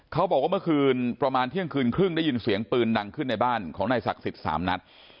เขาบอกว่าเมื่อคืนประมาณเที่ยงคืนครึ่งได้ยินเสียงปืนดังขึ้นในบ้านของนายศักดิ์สิทธิ์๓นัด